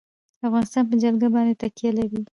افغانستان په جلګه باندې تکیه لري.